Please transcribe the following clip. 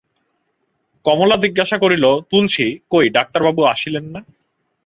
কমলা জিজ্ঞাসা করিল, তুলসী, কই ডাক্তারবাবু আসিলেন না?